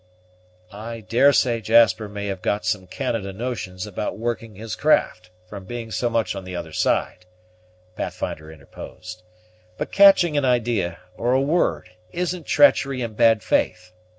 "I daresay Jasper may have got some Canada notions about working his craft, from being so much on the other side," Pathfinder interposed; "but catching an idee, or a word, isn't treachery and bad faith.